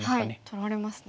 取られますね。